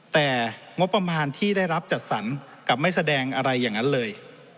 แต่งบประมาณที่ได้รับจัดสรรกับไม่แสดงอะไรอย่างนั้นเลย